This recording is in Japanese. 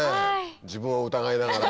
自分を疑いながら。